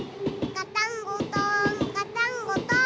ガタンゴトンガタンゴトン。